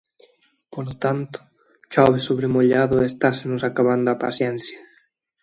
Polo tanto, chove sobre mollado e estásenos acabando a paciencia.